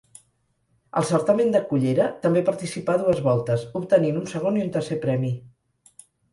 Al Certamen de Cullera també participà dues voltes, obtenint un Segon i un Tercer Premi.